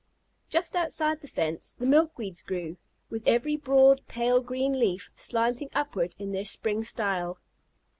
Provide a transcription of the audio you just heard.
Just outside the fence the milkweeds grew, with every broad, pale green leaf slanting upward in their spring style.